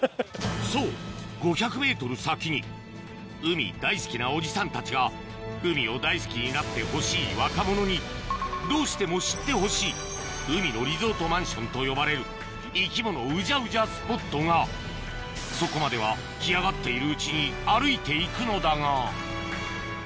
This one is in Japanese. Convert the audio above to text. そう５００ｍ先に海大好きなおじさんたちが海を大好きになってほしい若者にどうしても知ってほしい海のリゾートマンションと呼ばれる生き物うじゃうじゃスポットがそこまではあんまり見ない歩き方を。